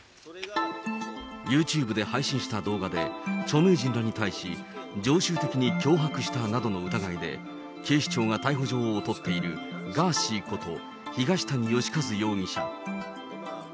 ユーチューブで配信した動画で、著名人らに対し、常習的に脅迫したなどの疑いで、警視庁が逮捕状を取っているガーシーこと東谷義和容疑者。